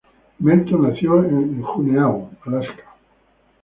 Melton nació en Juneau, Alaska.